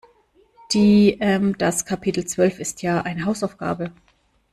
Die, ähm, das Kapitel zwölf ist ja eine Hausaufgabe.